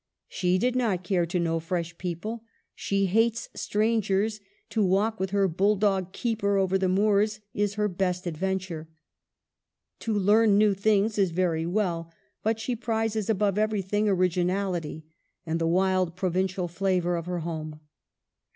She did not care to know fresh people ; she hates strangers ; to walk with her bulldog, Keeper, over the moors is her best adventure. To learn new things is very well, but she prizes above everything origi nality and the wild provincial flavor of her home.